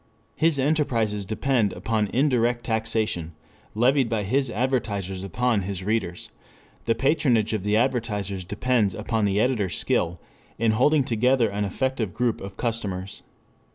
His enterprises depend upon indirect taxation levied by his advertisers upon his readers; the patronage of the advertisers depends upon the editor's skill in holding together an effective group of customers.